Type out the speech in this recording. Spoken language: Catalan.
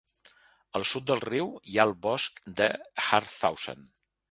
Al sud del riu hi ha el bosc de Harthausen.